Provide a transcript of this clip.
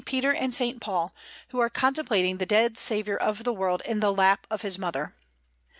Peter and S. Paul, who are contemplating the Dead Saviour of the World in the lap of His mother.